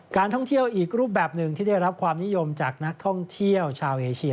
การท่องเที่ยวอีกรูปแบบหนึ่งที่ได้รับความนิยมจากนักท่องเที่ยวชาวเอเชีย